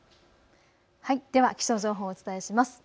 では気象情報をお伝えします。